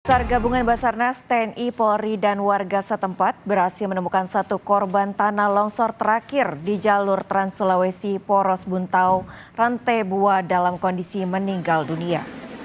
sar gabungan basarnas tni polri dan warga setempat berhasil menemukan satu korban tanah longsor terakhir di jalur trans sulawesi poros buntau rantai bua dalam kondisi meninggal dunia